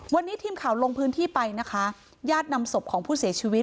วันนี้ทีมข่าวลงพื้นที่ไปนะคะญาตินำศพของผู้เสียชีวิต